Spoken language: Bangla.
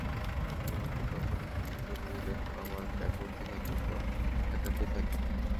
আমি শুধুমাত্র তখনই সিদ্ধান্ত নেই যখন আমার পেট ভর্তি থাকে অথবা একাকী থাকি।